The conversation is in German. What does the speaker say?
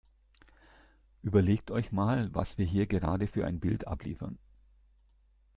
Überlegt euch mal, was wir hier gerade für ein Bild abliefern!